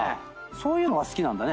そういうのが好きなんだね。